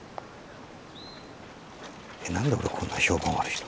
えっ何で俺こんな評判悪いの？